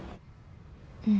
うん。